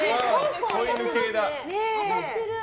子犬系だ。